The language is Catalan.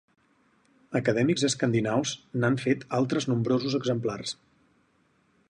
Acadèmics escandinaus n'han fet altres nombrosos exemplars.